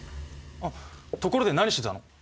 あところで何してたの？